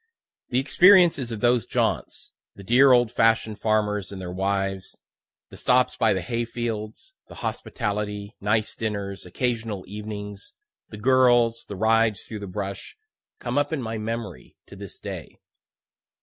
The experiences of those jaunts, the dear old fashion'd farmers and their wives, the stops by the hay fields, the hospitality, nice dinners, occasional evenings, the girls, the rides through the brush, come up in my memory to this day.